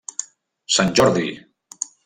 Sant Jordi!